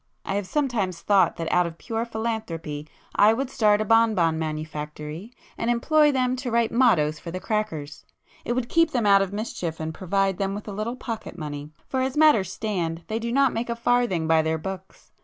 I have sometimes thought that out of pure philanthropy I would start a bon bon manufactory, and employ them to [p 156] write mottoes for the crackers. It would keep them out of mischief and provide them with a little pocket money, for as matters stand they do not make a farthing by their books.